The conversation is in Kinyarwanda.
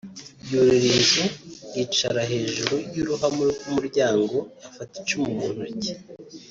yurira inzu yicara hejuru y ‘uruhamo rw’umuryango afata icumu mu ntoki